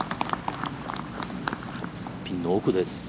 ピンの奥です。